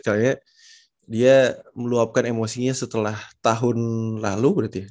soalnya dia meluapkan emosinya setelah tahun lalu berarti ya